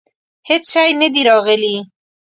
هیڅ شی نه دي راغلي.